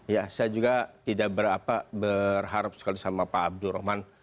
ya saya juga tidak berharap sekali sama pak abdurrahman